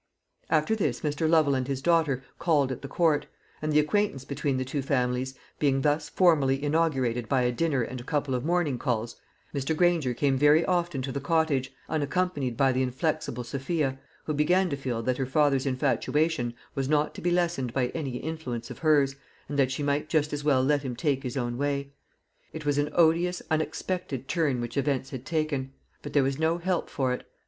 After this Mr. Lovel and his daughter called at the Court; and the acquaintance between the two families being thus formally inaugurated by a dinner and a couple of morning calls, Mr. Granger came very often to the Cottage, unaccompanied by the inflexible Sophia, who began to feel that her father's infatuation was not to be lessened by any influence of hers, and that she might just as well let him take his own way. It was an odious unexpected turn which events had taken; but there was no help for it.